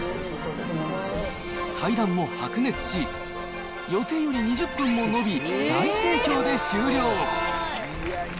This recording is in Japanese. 対談も白熱し、予定より２０分も延び、大盛況で終了。